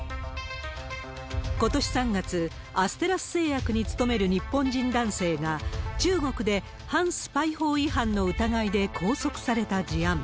ことし３月、アステラス製薬に勤める日本人男性が、中国で反スパイ法違反の疑いで拘束された事案。